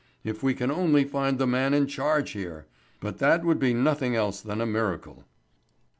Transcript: If we can only find the man in charge here! But that would be nothing else than a miracle."